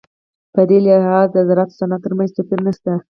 په دې لحاظ د زراعت او صنعت ترمنځ توپیر نشته.